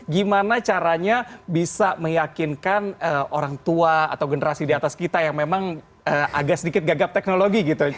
gimana caranya bisa meyakinkan orang tua atau generasi di atas kita yang memang agak sedikit gagap teknologi gitu